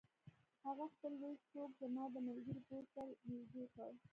هغه خپل لوی سوک زما د ملګري پوزې ته نږدې کړ